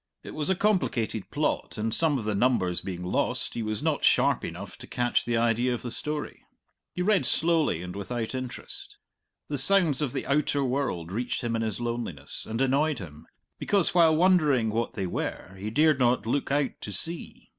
It was a complicated plot, and, some of the numbers being lost, he was not sharp enough to catch the idea of the story. He read slowly and without interest. The sounds of the outer world reached him in his loneliness and annoyed him, because, while wondering what they were, he dared not look out to see.